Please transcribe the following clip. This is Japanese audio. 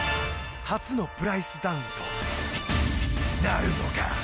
初のプライスダウンとなるのか！？